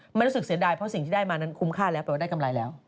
มันรู้สึกเสียดายเพราะสิ่งที่ได้มานั้นคุ้มค่าแล้วแปลว่าได้กำไรแล้ว